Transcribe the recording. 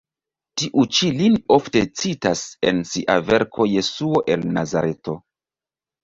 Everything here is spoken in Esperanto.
Tiu ĉi lin ofte citas en sia verko Jesuo el Nazareto.